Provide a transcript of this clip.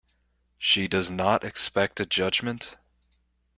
She does not expect a judgment?